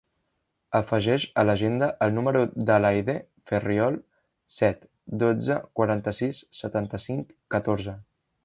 Afegeix a l'agenda el número de l'Aidé Ferriol: set, dotze, quaranta-sis, setanta-cinc, catorze.